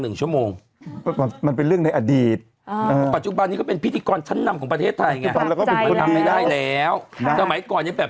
เดี๋ยววันนึงให้ถึงที่สุดประหลอดแตกป๊า๊บ